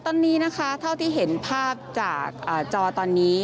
ตอนนี้นะคะเท่าที่เห็นภาพจากจอตอนนี้